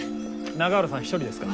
永浦さん一人ですか？